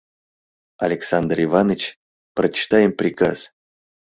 Александр Иваныч, прочитай им приказ!..